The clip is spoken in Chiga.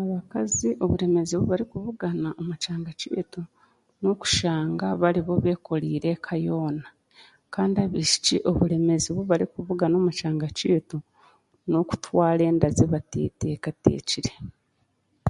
Abakazi oburemeezi obu barikubugana omu kyanga kyaitu, n'okushanga nibo beekoreire eka yoona kandi abaishiki oburemeezi obu barikubugana omu kyanga kyaitu n'okutwara enda ezibateetekateekire